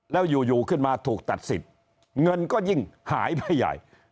แล้วอยู่ขึ้นมาถูกตัดสิทธิ์เงินก็ยิ่งหายไปใหญ่